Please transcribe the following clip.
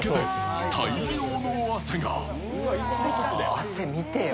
汗、見てよ。